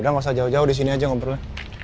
udah gak usah jauh jauh disini aja gak perlu